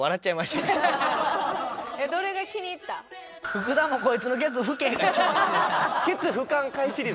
「福田もこいつのケツふけ！」が一番好きでした。